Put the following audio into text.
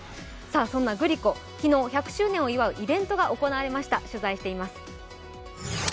そんなグリコ、昨日、１００周年を祝うイベントが行われました。